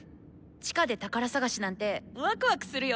地下で宝探しなんてわくわくするよね！